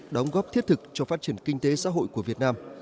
đóng góp thiết thực cho phát triển kinh tế xã hội của việt nam